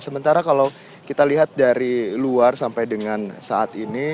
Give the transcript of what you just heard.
sementara kalau kita lihat dari luar sampai dengan saat ini